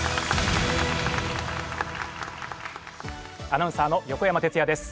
アナウンサーの横山哲也です。